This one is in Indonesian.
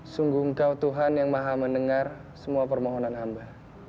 sungguh engkau tuhan yang maha mendengar semua permohonan hamba